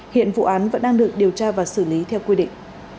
hiện vụ án vẫn đang được điều tra và xử lý theo quy định